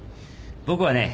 僕はね